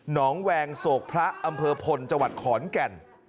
หนองแวงโศกพระอำเภอพลจขอนแก่น